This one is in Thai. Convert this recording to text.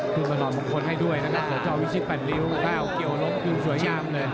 คุณพระรอบมงคลให้ด้วยนะครับเขาชอบวิชิตแปดริ้วเกี่ยวอารมณ์คือสวยงามเลย